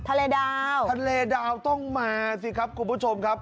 ทะเลดาวทะเลดาวต้องมาสิครับคุณผู้ชมครับ